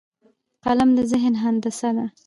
قلم د ذهن هندسه ده